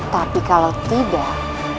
tapi kalau tidak